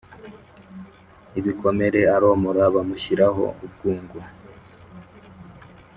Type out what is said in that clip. Ibikomere aromora bamushyiraho ubwungo